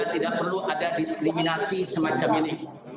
tidak perlu ada diskriminasi semacam ini